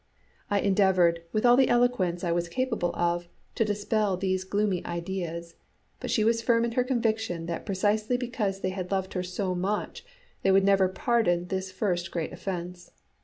I endeavoured, with all the eloquence I was capable of, to dispel these gloomy ideas, but she was firm in her conviction that precisely because they had loved her so much they would never pardon this first great offence.